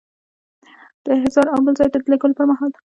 د احضار او بل ځای ته د لیږلو پر مهال.